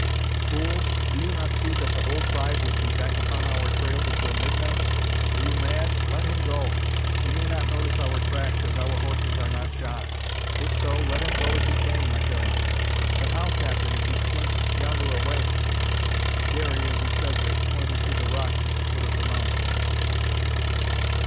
"Fools! do you not see that the whole tribe would be back upon our trail before midnight? Are you mad? Let him go. He may not notice our tracks, as our horses are not shod. If so, let him go as he came, I tell you." "But how, captain, if he squints yonder away?" Garey, as he said this, pointed to the rocks at the foot of the mountain.